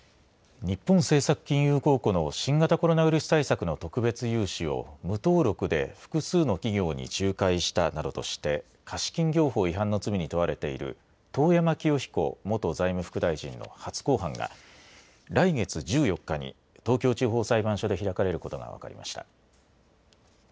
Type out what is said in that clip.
日本政策金融公庫の新型コロナウイルス対策の特別融資を無登録で複数の企業に仲介したなどとして貸金業法違反の罪に問われている遠山清彦元財務副大臣の初公判が来月１４日に東京地方裁判所で開かれることが分かりました。